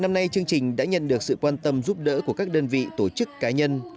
năm nay chương trình đã nhận được sự quan tâm giúp đỡ của các đơn vị tổ chức cá nhân